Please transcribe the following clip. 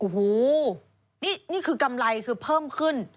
โอ้โหนี่คือกำไรคือเพิ่มขึ้น